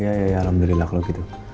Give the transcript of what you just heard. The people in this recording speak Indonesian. iya iya alhamdulillah kalau gitu